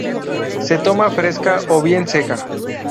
Se toma fresca o bien seca.